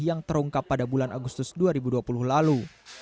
yang terungkap pada bulan agustus dua ribu dua puluh lalu